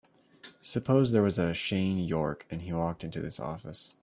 Suppose there was a Shane York and he walked into this office.